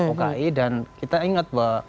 uki dan kita ingat bahwa